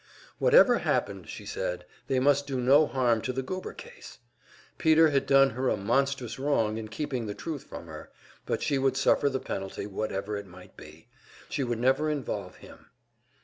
Whatever happened, she said, they must do no harm to the Goober case. Peter had done her a monstrous wrong in keeping the truth from her, but she would suffer the penalty, whatever it might be; she would never involve him.